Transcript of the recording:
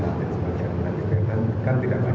bapak presiden juga akan